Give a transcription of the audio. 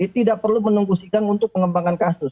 tidak perlu menunggu sidang untuk pengembangan kasus